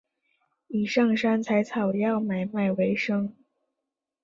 以上山采草药买卖为生。